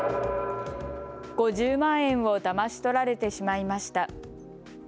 ５０万円をだまし取られてしまいました。